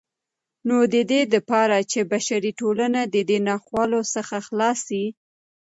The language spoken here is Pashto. نو ددې دپاره چې بشري ټولنه ددې ناخوالو څخه خلاصه سي